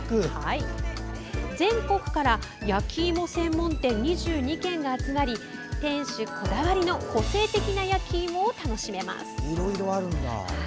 全国から焼きいも専門店２２軒が集まり店主こだわりの個性的な焼きいもを楽しめます。